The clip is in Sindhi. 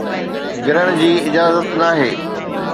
گرڻ جي اجازت ناهي